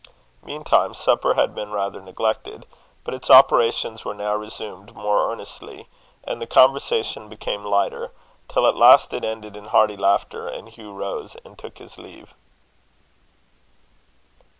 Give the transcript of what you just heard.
Meantime supper had been rather neglected; but its operations were now resumed more earnestly, and the conversation became lighter; till at last it ended in hearty laughter, and Hugh rose and took his leave.